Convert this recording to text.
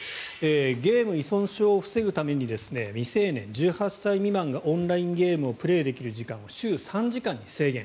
ゲーム依存症を防ぐために未成年、１８歳未満がオンラインゲームをプレーできる時間を週３時間に制限。